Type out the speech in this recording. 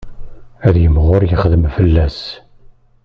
Ad yimɣur yexdem fell-as.